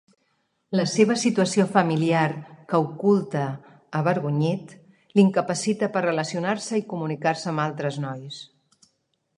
La seva situació familiar, que oculta avergonyit, l'incapacita per relacionar-se i comunicar-se amb altres nois.